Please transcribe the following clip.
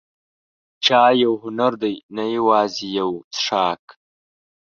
چای یو هنر دی، نه یوازې یو څښاک.